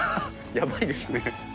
やばいですね。